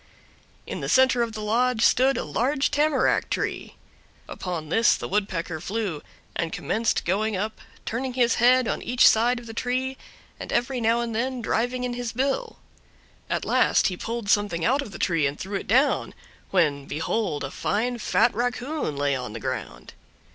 In the center of the lodge stood a large tamarack tree. Upon this the Woodpecker flew, and commenced going up, turning his head on each side of the tree, and every now and then driving in his bill. At last he pulled something out of the tree and threw it down, when, behold, a fine fat raccoon lay on the ground.